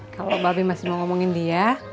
kalau babi masih mau ngomongin dia